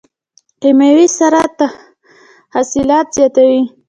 کیمیاوي سره حاصلات زیاتوي.